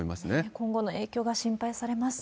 今後の影響が心配されます。